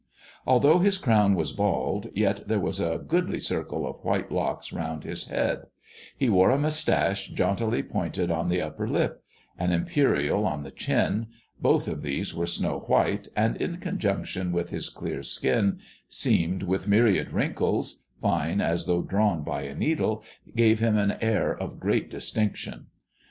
Although his crown was bald, yet there was a goodly circle of white locks round his head^ he wore a moustache jauntily pointed on the upper lip, an imperial on the chin ; both of these were snow ^white, and in conjunction with his clear skin, seamed with myriad wrinkles, fine as though drawn by a needle, gave him an air of great distinction.